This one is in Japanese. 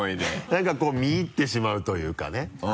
何かこう見入ってしまうというかね。